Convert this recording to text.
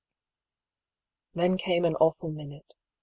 Then came an awful minute.